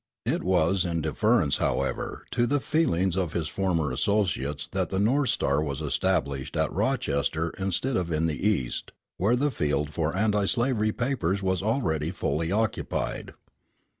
It was in deference, however, to the feelings of his former associates that the North Star was established at Rochester instead of in the East, where the field for anti slavery papers was already fully occupied.